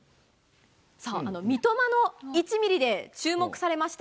さあ、三笘の１ミリで注目されました、